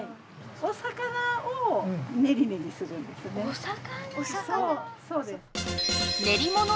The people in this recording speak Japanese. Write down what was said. お魚！